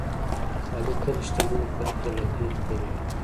علي تل شتمنو خلکوته لکۍ خوروي.